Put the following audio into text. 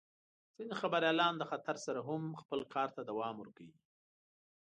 ځینې خبریالان د خطر سره هم خپل کار ته دوام ورکوي.